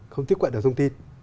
không tiếp cận được thông tin